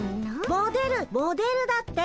モデルモデルだって。